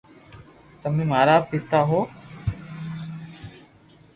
تمي مارا پيتا ھون